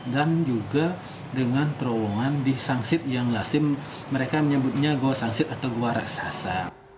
dan juga dengan terowongan di sangsit yang mereka menyebutnya gouw sangsit atau gouwa raksasa